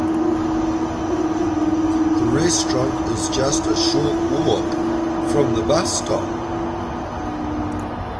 The restaurant is just a short walk from the bus stop.